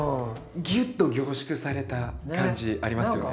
ギュッと凝縮された感じありますよね。